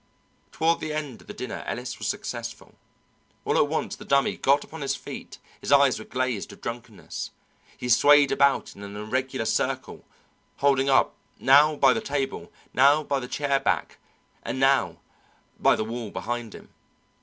Toward the end of the dinner Ellis was successful. All at once the Dummy got upon his feet, his eyes were glazed with drunkenness, he swayed about in an irregular circle, holding up, now by the table, now by the chair back, and now by the wall behind him.